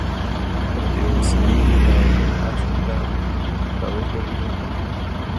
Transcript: خو د اوسني ناورین اصل ته که وروګرځو